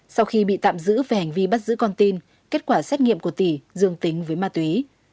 sau khi bị tạm giữ về hành vi bắt giữ con tin kết quả xét nghiệm của tỷ dương tính với ma túy